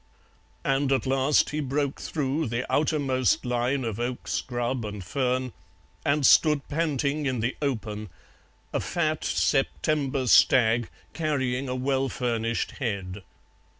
And at last he broke through the outermost line of oak scrub and fern and stood panting in the open, a fat September stag carrying a well furnished head.